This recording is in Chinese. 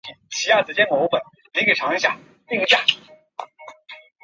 焦氏短稚鳕为深海鳕科短稚鳕属的鱼类。